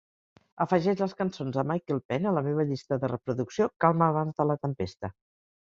afegeix les cançons de Michael Penn a la meva llista de reproducció Calma abans de la tempesta